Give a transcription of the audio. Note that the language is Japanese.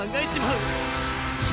う！